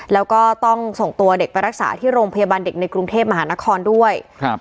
แล้วก็ต้องส่งตัวเด็กไปรักษาที่โรงพยาบาลเด็กในกรุงเทพมหานครด้วยครับ